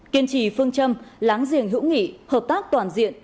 kiên trì phương châm láng giềng hữu nghị hợp tác toàn diện